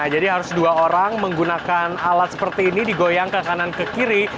jadi harus dua orang menggunakan alat seperti ini digoyang ke kanan ke kiri